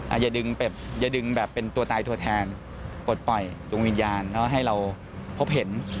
อย่าดึงแบบอย่าดึงแบบเป็นตัวตายตัวแทนปลดปล่อยดวงวิญญาณเขาให้เราพบเห็น